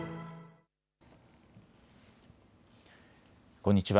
こんにちは。